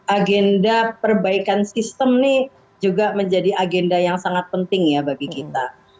agenda perbaikan sistem ini juga menjadi agenda yang sangat penting ya bagi kita